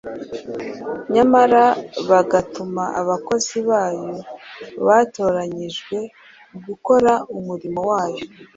nyamara bagatuma abakozi bayo batoranyirijwe gukora umurimo wayo